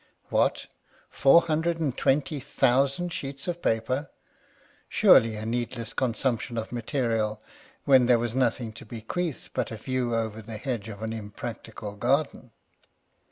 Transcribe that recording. What ! four hundred and twenty thousand sheets of paper !— surely a needless consumption of material, when there was nothing to be bequeathed but a view over the hedge of an impracticable garden.